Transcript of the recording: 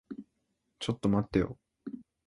ちょっと待ってよ。